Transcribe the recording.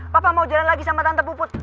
papa mau jalan lagi sama tante puput